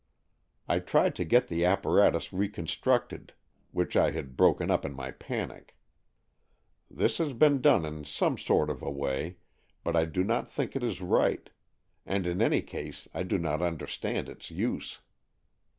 I tried to get the apparatus reconstructed, which I had broken up in my panic. This has been done in some sort of a way, but I do not think it is right, and in any case I do not understand its use.